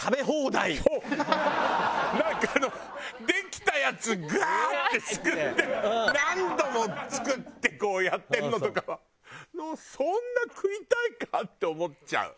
なんかあのできたやつガーッてすくって何度もすくってこうやってるのとかはそんな食いたいか？って思っちゃう。